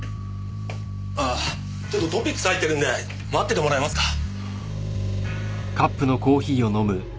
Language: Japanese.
ああちょっとＴＯＰＩＸ入ってるんで待っててもらえますか？